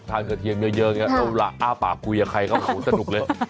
ทานเขือเทียมเยอะอย่างนี้ต้องละอ้าปากุยกับใครเขาโอ้โฮสนุกเลย